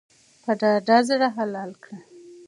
په ډاډه زړه حلال کړه.